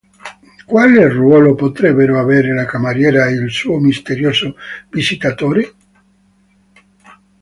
Quale ruolo potrebbero avere la cameriera e il suo misterioso visitatore?